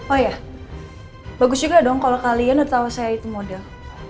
oh ya bagus juga dong kalau kalian atau saya itu model